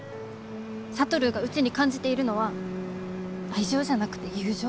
智がうちに感じているのは愛情じゃなくて友情。